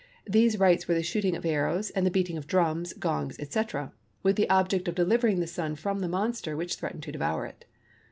These rites were the shooting of arrows and the beating of drums, gongs, etc., with the object of delivering the Sun from the monster which threatened to devour it.